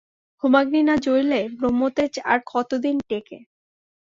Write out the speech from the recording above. হোমাগ্নি না জ্বলিলে ব্রহ্মতেজ আর কতদিন টেঁকে?